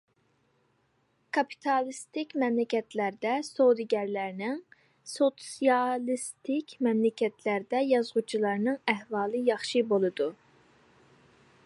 كاپىتالىستىك مەملىكەتلەردە سودىگەرلەرنىڭ، سوتسىيالىستىك مەملىكەتلەردە يازغۇچىلارنىڭ ئەھۋالى ياخشى بولىدۇ.